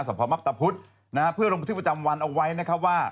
พมับตะพุทธนะฮะเพื่อลงบันทึกประจำวันเอาไว้นะครับว่า